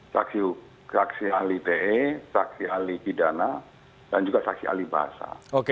saksi saksi ahli te saksi ahli pidana dan juga saksi ahli bahasa